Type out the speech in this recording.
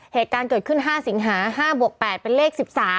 เหตุการณ์เกิดขึ้น๕สิงหา๕บวก๘เป็นเลข๑๓